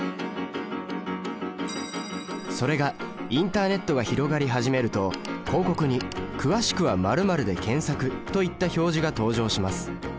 それがインターネットが広がり始めると広告に「詳しくは○○で検索！」といった表示が登場します。